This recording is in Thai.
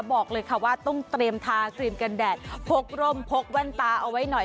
บอกเลยค่ะว่าต้องเตรียมทาครีมกันแดดพกร่มพกแว่นตาเอาไว้หน่อย